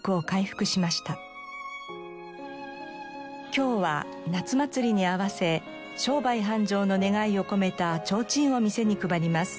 今日は夏祭りに合わせ商売繁盛の願いを込めた提灯を店に配ります。